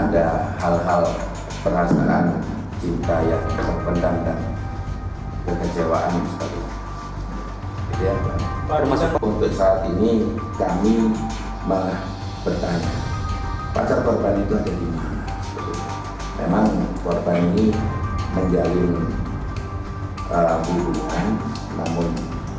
dan mengalami permasalahan